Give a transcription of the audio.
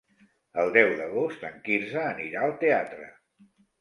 El deu d'agost en Quirze anirà al teatre.